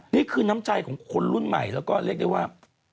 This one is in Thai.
นี่คือน้ำใจของคนรุ่นใหม่แล้วก็เรียกได้ว่า